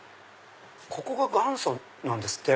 ここが元祖なんですって。